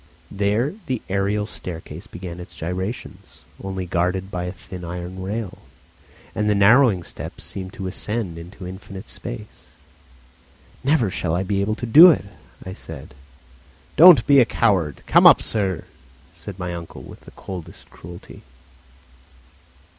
There the aerial staircase began its gyrations, only guarded by a thin iron rail, and the narrowing steps seemed to ascend into infinite space! "Never shall I be able to do it," I said. "Don't be a coward; come up, sir"; said my uncle with the coldest cruelty.